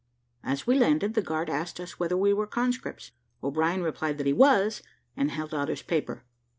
As we landed, the guard asked us whether we were conscripts. O'Brien replied that he was, and held out his paper.